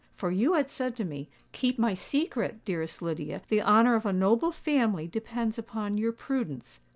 For you had said to me, '_Keep my secret, dearest Lydia: the honour of a noble family depends upon your prudence!